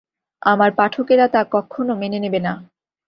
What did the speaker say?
আমার পাঠকেরা তা কক্ষনো মেনে নেবে না।